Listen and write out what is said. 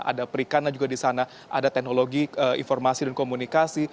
ada perikanan juga di sana ada teknologi informasi dan komunikasi